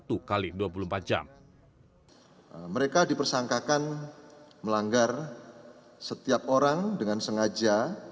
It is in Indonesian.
tidak dipersangkakan melanggar setiap orang dengan sengaja